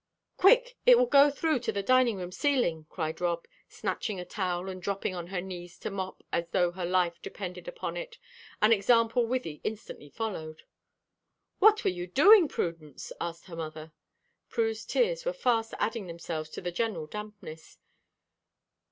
"Quick! It will go through to the dining room ceiling," cried Rob, snatching a towel and dropping on her knees to mop as though her life depended upon it, an example Wythie instantly followed. "What were you doing, Prudence?" asked her mother. Prue's tears were fast adding themselves to the general dampness.